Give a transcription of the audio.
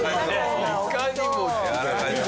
いかにも。